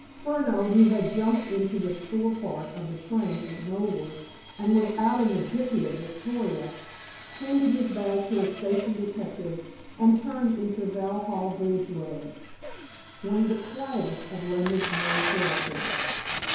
Furneaux, who had jumped into the fore part of the train at Knoleworth, and was out in a jiffy at Victoria, handed his bag to a station detective, and turned into Vauxhall Bridge Road, one of the quietest of London's main thoroughfares.